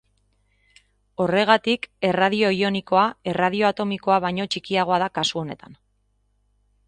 Horregatik erradio ionikoa erradio atomikoa baino txikiagoa da kasu honetan.